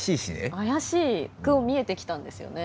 怪しく見えてきたんですよね。